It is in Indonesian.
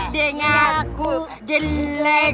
hehehe deng aku jelek